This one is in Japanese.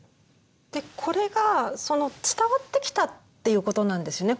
でこれがその伝わってきたっていうことなんですね